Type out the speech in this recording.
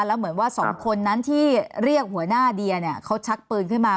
แล้วเหมือนว่าสองคนนั้นที่เรียกหัวหน้าเดียเนี่ยเขาชักปืนขึ้นมา